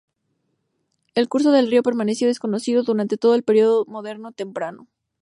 El curso del río permaneció desconocido durante todo el período moderno temprano.